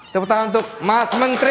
tepuk tangan untuk mas menteri